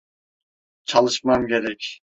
Çalışmam gerek.